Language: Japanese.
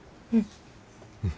うん。